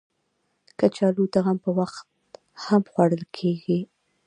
کچالو د غم په وخت هم خوړل کېږي